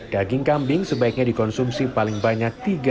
daging kambing sebaiknya dikonsumsi paling banyak